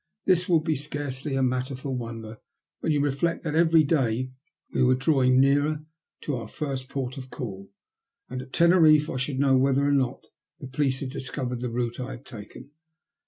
This will be scarcely a matter for wonder when you reflect that every day we were drawing nearer our first port of call, and at Teneriffe I should know whether or not the police had discovered the route I had taken.